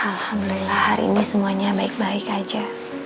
alhamdulillah hari ini semuanya baik baik aja